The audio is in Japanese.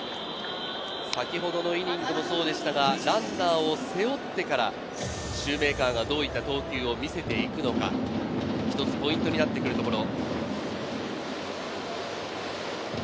先ほどのイニングもそうでしたが、ランナーを背負ってから、シューメーカーがどういった投球を見せていくのか一つポイントになってくるところ。